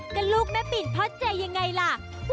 ก็ลูกแม่ปิ่นพ่อเจยังไงล่ะ